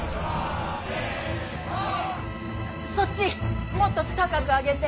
そっちもっと高く上げて。